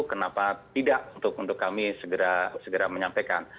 kenapa tidak untuk kami segera menyampaikan